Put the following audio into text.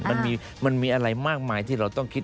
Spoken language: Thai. มันมีอะไรมากมายที่เราต้องคิด